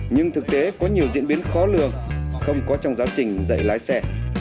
nhưng thực tế có nhiều diễn biến khó lường không có trong giáo trình dạy lái xe